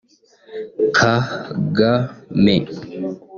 Kagame